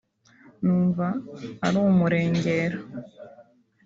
numva ari umurengera